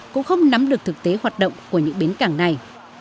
cũng không nắm được thực tế hoạt động của những bến cảng này